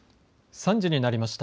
３時になりました。